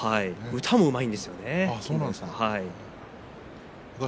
歌もうまいですよね。